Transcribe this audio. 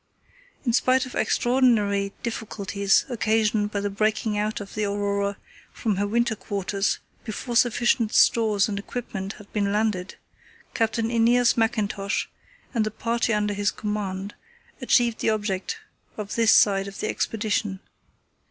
In spite of extraordinary difficulties occasioned by the breaking out of the Aurora from her winter quarters before sufficient stores and equipment had been landed, Captain Æneas Mackintosh and the party under his command achieved the object of this side of the Expedition.